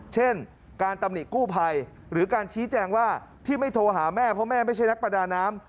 เช่นการตำหนิกู้ภัยหรือการชี้แจงว่าที่ไม่โทรหาแม่เพราะแม่ไม่ใช่นักประดาน้ำ